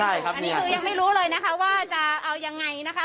อันนี้คือยังไม่รู้เลยนะคะว่าจะเอายังไงนะคะ